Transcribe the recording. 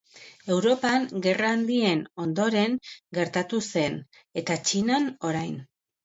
Europan gerra handien ondoren gertatu zen eta Txinan orain.